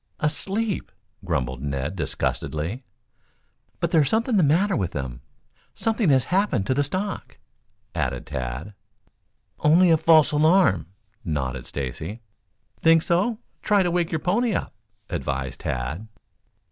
"Asleep," grumbled Ned disgustedly. "But there's something the matter with them. Something has happened to the stock," added Tad. "Only a false alarm," nodded Stacy. "Think so? Try to wake your pony up," advised Tad.